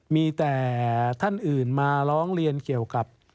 มีแต่ท่านอื่นมาร้องเรียนเกี่ยวกับ